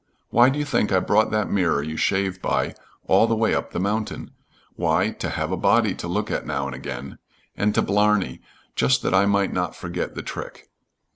Why do you think I brought that mirror you shave by all the way up the mountain? Why, to have a body to look at now and again, and to blarney, just that I might not forget the trick.